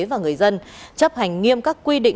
và người dân chấp hành nghiêm các quy định